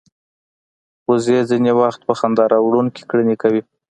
وزې ځینې وخت په خندا راوړونکې کړنې کوي